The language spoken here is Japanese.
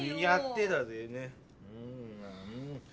やってだぜぇ。ね。